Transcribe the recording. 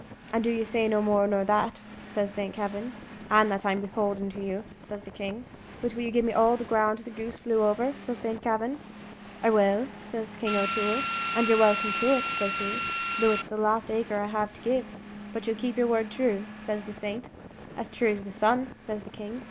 "And do you say no more nor that?" says Saint Kavin. "And that I'm beholden to you," says the king. "But will you gi'e me all the ground the goose flew over?" says Saint Kavin. "I will," says King O'Toole, "and you're welcome to it," says he, "though it's the last acre I have to give." "But you'll keep your word true," says the saint. "As true as the sun," says the king.